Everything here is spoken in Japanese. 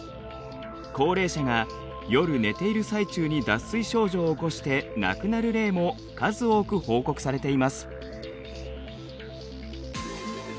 高齢者が夜寝ている最中に脱水症状を起こして亡くなる例も数多く報告されています。